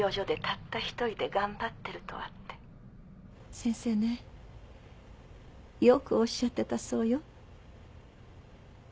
先生ねよくおっしゃってたそうよ。